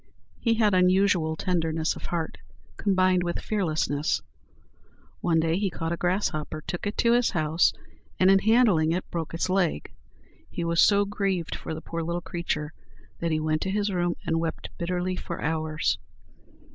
He had unusual tenderness of heart, combined with fearlessness. One day he caught a grasshopper, took it to his house, and, in handling it, broke its leg. He was so grieved for the poor little creature, that he went to his room and wept bitterly for hours.